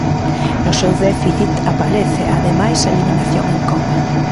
No seu déficit aparece, ademais, a eliminación en Copa.